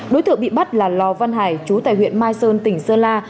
đối tượng bị bắt là lò văn hải chú tại huyện mai sơn tỉnh sơn la